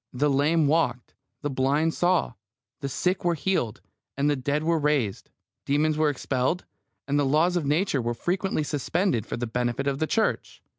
The lame walked, the blind saw, the sick were healed, the dead were raised, demons were expelled, and the laws of Nature were frequently suspended for the benefit of the Church.